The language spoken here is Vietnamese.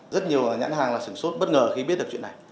rất nhiều nhãn hàng là sửng sốt bất ngờ khi biết được chuyện này